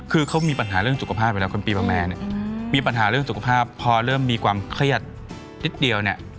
คือเขามีปัญหาเรื่องสุขภาพเวลาคนปีประมาณเนี่ยมีปัญหาเรื่องสุขภาพพอเริ่มมีความเครียดนิดเดียวเนี่ย